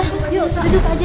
ayo duduk aja